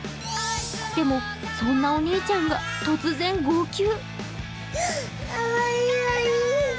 でも、そんなお兄ちゃんが突然、号泣。